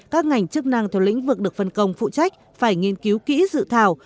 các ngành chức năng theo lĩnh vực được phân công phụ trách phải nghiên cứu kỹ dự thảo